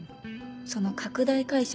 その拡大解釈